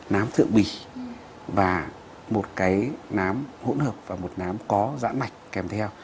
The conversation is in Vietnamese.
nám thượng bì và một cái nám hỗn hợp và một nám có giãn mạch kèm theo